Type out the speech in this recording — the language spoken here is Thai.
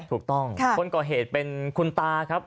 คนก่อเหตุเป็นคุณตาครับ